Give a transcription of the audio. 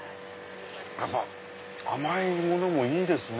やっぱ甘いものもいいですね。